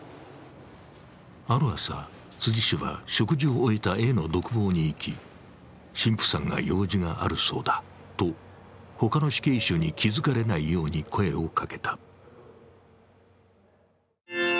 ある朝、辻氏は食事を終えたＡの独房に行き、神父さんが用事があるそうだと他の死刑囚に気づかれないように声をかけた。